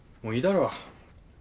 もういいだろ。